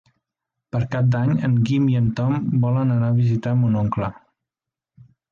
Per Cap d'Any en Guim i en Tom volen anar a visitar mon oncle.